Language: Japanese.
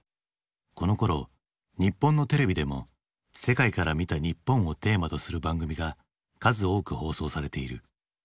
このころ日本のテレビでも「世界から見た日本」をテーマとする番組が数多く放送されている。